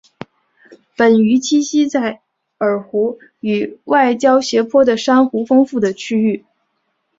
本鱼栖息在舄湖与外礁斜坡的珊瑚丰富的区域。